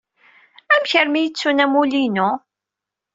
Amek armi ay ttun amulli-inu?